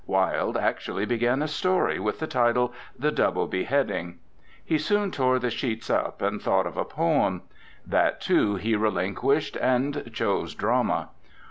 Wilde actually began a story with the title "The Double Beheading." He soon tore the sheets up, and thought of a poem. That, too, he relinquished, and chose drama.